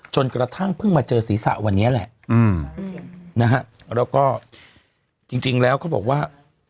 จนกระทั่งเพิ่งมาเจอศีรษะวันนี้แหละนะฮะแล้วก็จริงแล้วเขาบอกว่า